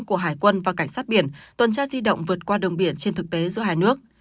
của hải quân và cảnh sát biển tuần tra di động vượt qua đường biển trên thực tế giữa hai nước